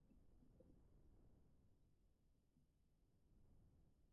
Situated beside Moosehead Lake, Greenville is drained by Wilson Stream.